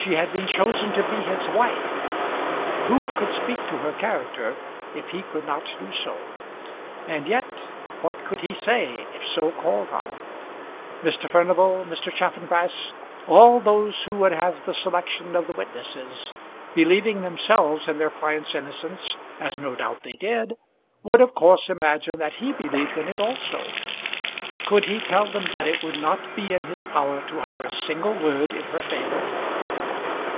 She had been chosen to be his wife. Who could speak to her character, if he could not do so? And yet, what could he say, if so called on? Mr. Furnival, Mr. Chaffanbrass all those who would have the selection of the witnesses, believing themselves in their client's innocence, as no doubt they did, would of course imagine that he believed in it also. Could he tell them that it would not be in his power to utter a single word in her favour?